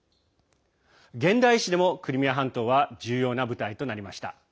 現代史でも、クリミア半島は重要な舞台となりました。